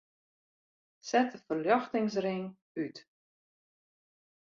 Set de ferljochtingsring út.